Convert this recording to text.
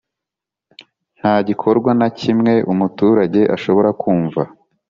Nta gikorwa na kimwe umuturage ashobora kumva